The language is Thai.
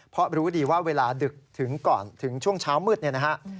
เพราะรู้ดีว่าเวลาดึกถึงก่อนถึงช่วงเช้ามืดเนี่ยนะฮะ